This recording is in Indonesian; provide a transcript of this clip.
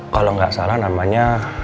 kalau nggak salah namanya